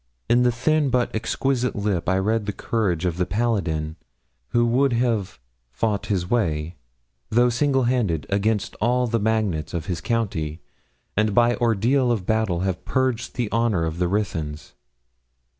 In the thin but exquisite lip I read the courage of the paladin, who would have 'fought his way,' though single handed, against all the magnates of his county, and by ordeal of battle have purged the honour of the Ruthyns.